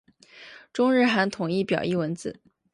中日韩统一表意文字。